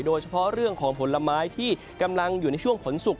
โดยเฉพาะเรื่องของผลไม้ที่กำลังอยู่ในช่วงผลสุก